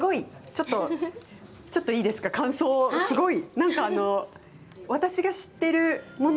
ちょっと、ちょっと、いいですか感想を、すごい。